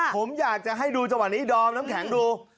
ผมอยากจะให้ดูจังหวะนี้ดอมน้ำแข็งดู